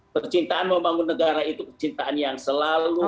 percintaan membangun negara itu percintaan yang selalu harus